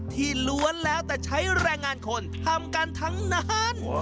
ล้วนแล้วแต่ใช้แรงงานคนทำกันทั้งนั้น